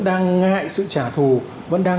đang ngại sự trả thù vẫn đang